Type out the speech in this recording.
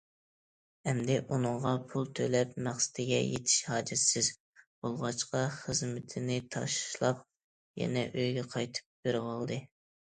ئەمدى ئۇنىڭغا پۇل تۆلەپ مەقسىتىگە يېتىش ھاجەتسىز بولغاچقا، خىزمىتىنى تاشلاپ، يەنە ئۆيىگە قايتىپ بېرىۋالدى.